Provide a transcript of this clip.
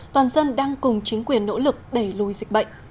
toàn dân đang cùng chính quyền nỗ lực đẩy lùi dịch bệnh